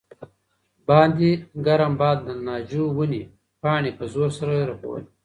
باندې ګرم باد د ناجو ونې پاڼې په زور سره رپولې.